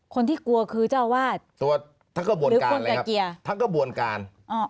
คนที่กลัวคือเจ้าวาดตัวทั้งกับบวนการเลยครับทั้งกับบวนการ